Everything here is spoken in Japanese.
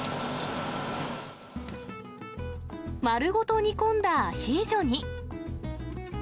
丸ごと煮込んだアヒージョに。